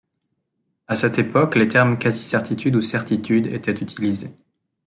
À cette époque, les termes quasi certitude ou certitude étaient utilisés.